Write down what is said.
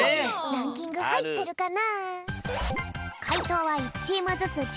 ランキングはいってるかな？